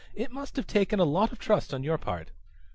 It must have taken a lot of trust on your part."